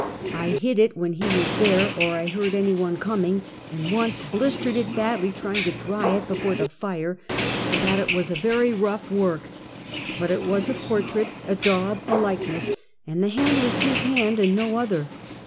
I hid it when he was there or I heard any one coming, and once blistered it badly trying to dry it before the fire, so that it was a very rough work; but it was a portrait, a daub, a like ness, and the hand was his hand and no other.